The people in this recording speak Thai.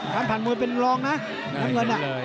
ผ่านผ่านมือเป็นรองนะน้ำเงิน